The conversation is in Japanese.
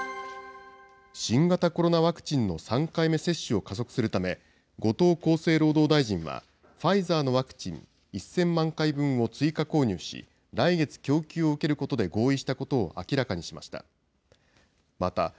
新型コロナワクチンの３回目接種を加速するため、後藤厚生労働大臣は、ファイザーのワクチン１０００万回分を追加購入し、来月、供給を受けることで合意したことを明らかにしました。